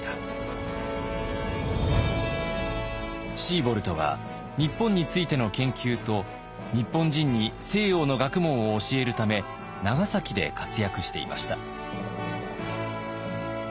シーボルトは日本についての研究と日本人に西洋の学問を教えるため長崎で活躍していました。